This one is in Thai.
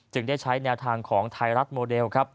จึงได้ใช้แนวทางของไทยรัฐโมเดล